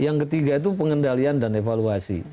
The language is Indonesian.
yang ketiga itu pengendalian dan evaluasi